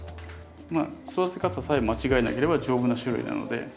まあ育て方さえ間違えなければ丈夫な種類なので。